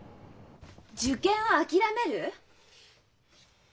受験を諦める？